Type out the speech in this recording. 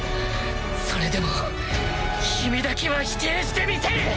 それでも君だけは否定してみせる！